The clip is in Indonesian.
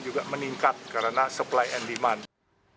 juga meningkat karena supply and demand